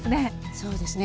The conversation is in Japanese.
そうですね。